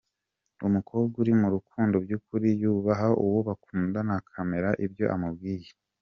Umukobwa uri mu rukundo by’ukuri yubaha uwo bakundana akemera ibyo amubwiye.